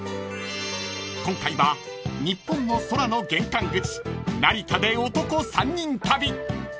［今回は日本の空の玄関口成田で男３人旅］